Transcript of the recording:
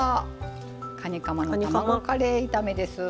かにかまの卵カレー炒めです。